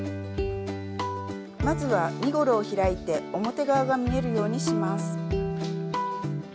まずは身ごろを開いて表側が見えるようにします。